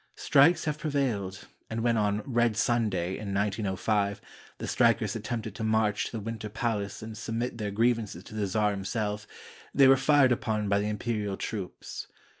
Strikes have prevailed, and when on " Red Sunday," in 1905, the strikers attempted to march to the Winter Palace and submit their grievances to the czar him self, they were fired upon by the imperial troops.